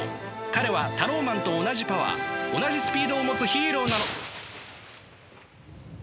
彼はタローマンと同じパワー同じスピードを持つヒーローなの。